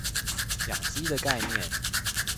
養雞的概念